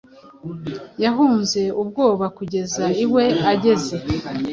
Yahunze ubwoba, kugeza iwe ageze.